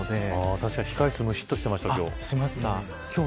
確かに控え室むしっとしてました今日。